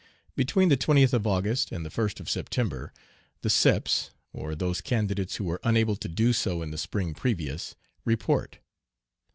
Between the 20th of August and the 1st of September, the "Seps," or those candidates who were unable to do so in the spring previous, report.